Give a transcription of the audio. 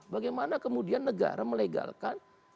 bagaimana kemudian negara melegalkan